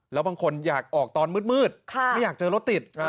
แล้วบางคนอยากออกตอนมืดไม่อยากเจอรถติด